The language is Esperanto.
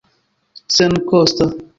senkosta